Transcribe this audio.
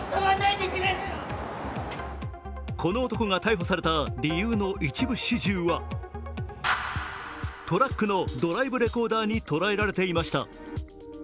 この男が逮捕された理由の一部始終はトラックのドライブレコーダーに捉えられていました。